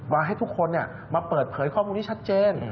ว่าให้ทุกคนมาเปิดเผยข้อมูลที่ชัดเจน